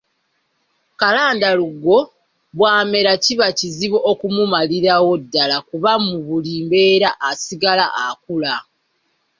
Kalandalugo bw'amera, kiba kizibu okumumalirawo ddala kuba mu buli mbeera asigala akula.